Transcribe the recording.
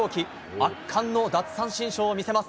圧巻の奪三振ショーを見せます。